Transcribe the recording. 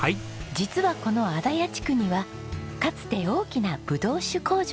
実はこの荒谷地区にはかつて大きなブドウ酒工場があったんです。